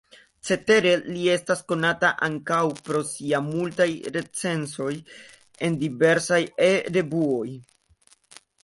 Cetere, li estas konata ankaŭ pro siaj multaj recenzoj en diversaj E-revuoj.